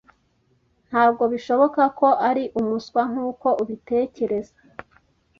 Ntabwo bishoboka ko ari umuswa nkuko ubitekereza.